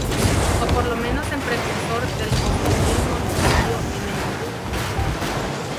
O por lo menos en precursor del costumbrismo literario en el Perú.